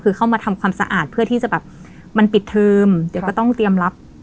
คือเข้ามาทำความสะอาดเพื่อที่จะแบบมันปิดเทอมเดี๋ยวก็ต้องเตรียมรับ